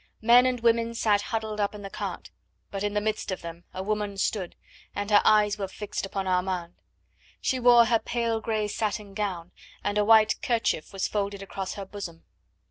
Men and women sat huddled up in the cart; but in the midst of them a woman stood, and her eyes were fixed upon Armand. She wore her pale grey satin gown, and a white kerchief was folded across her bosom.